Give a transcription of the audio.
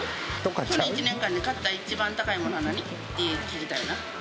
去年一年間で、買った一番高いものは何？って聞きたいな。